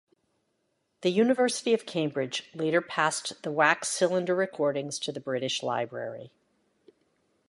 The University of Cambridge later passed the wax cylinder recordings to the British Library.